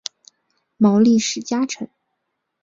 毛利氏家臣。